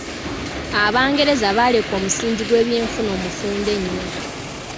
Abangereza baaleka omusingi gw'ebyefuna omufunda ennyo